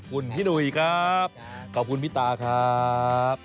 คุณพี่หนุ่ยครับขอบคุณพี่ตาครับ